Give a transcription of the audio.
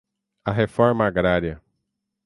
a reforma agrária